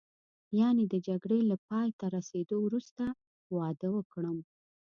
یعنې د جګړې له پایته رسېدو وروسته واده وکړم.